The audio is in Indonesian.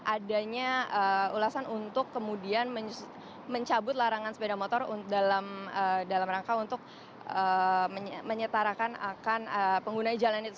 adanya ulasan untuk kemudian mencabut larangan sepeda motor dalam rangka untuk larangan sepeda motor